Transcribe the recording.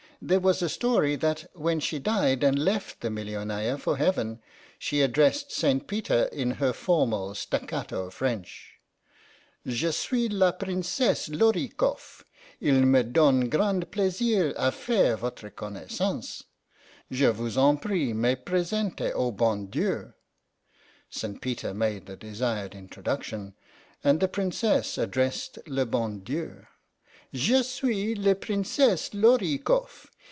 There was a story that when she died and left the Millionaya for Heaven she addressed I REGINALD IN RUSSIA 3 St. Peter in her formal staccato French :* Je suis la Princesse Lor i kofF. II me donne grand plaisir a faire votre connaissance. Je vous en prie me presenter au Bon Dieu.' St. Peter made the desired introduction, and the Princess addressed le Bon Dieu :* Je suis la Princesse Lor i koff.